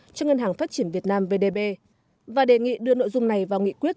cho ngân hàng phát triển việt nam vdb và đề nghị đưa nội dung này vào nghị quyết